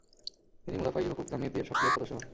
তিনি মুদাফা-ই হুকুক জামিয়েতি এর সক্রিয় সদস্য হন।